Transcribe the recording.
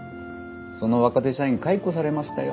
その若手社員解雇されましたよ。